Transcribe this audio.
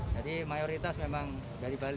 jadi mayoritas memang dari bali